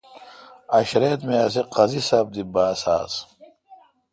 عشریت می اسی قاضی ساب دی باس آس۔